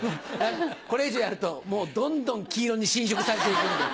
これ以上やるともうどんどん黄色に侵食されて行くんで。